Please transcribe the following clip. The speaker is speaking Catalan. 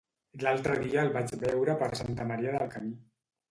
L'altre dia el vaig veure per Santa Maria del Camí.